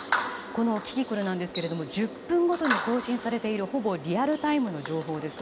このキキクルですけれども１０分ごとに更新されているほぼリアルタイムの情報です。